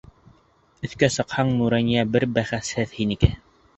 Өҫкә сыҡһаң, Нурания бер бәхәсһеҙ һинеке.